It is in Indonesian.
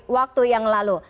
waktu yang lalu